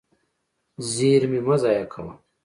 زیرمې مه ضایع کوه.